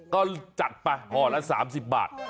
ก็จัดไปห่อละ๓๐บาท